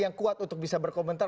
yang kuat untuk bisa berkomentar